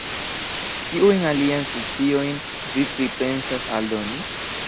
Kiujn aliajn funkciojn vi pripensas aldoni?